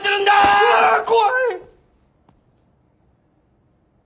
うわ怖い！